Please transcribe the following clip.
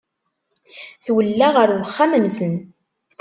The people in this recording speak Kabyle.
Twella ɣer uxxam-nsen.